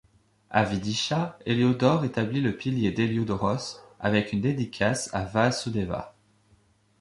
À Vidisha, Héliodore établit le pilier d'Héliodoros avec une dédicace à Vāsudeva.